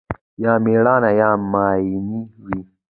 یا مېړونه یا ماينې وي